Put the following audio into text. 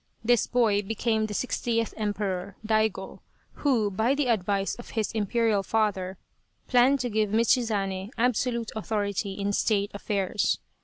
This boy became the 6oth Emperor, Daigo, who, by the advice of his Imperial father, planned to give Michizane absolute authority in state affairs.